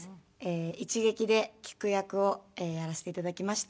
「いちげき」でキク役をやらせていただきました。